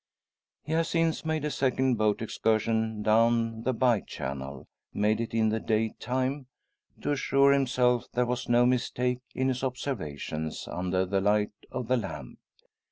He has since made a second boat excursion down the bye channel made it in the day time, to assure himself there was no mistake in his observations under the light of the lamp.